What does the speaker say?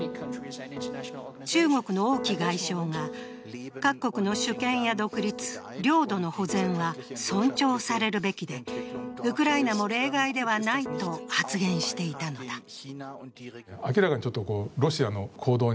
中国の王毅外相が各国の主権や独立、領土の保全は尊重されるべきで、ウクライナも例外ではないと発言していたのだ。